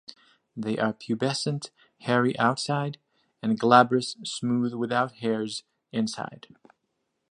They are pubescent, hairy outside and glabrous, smooth without hairs inside.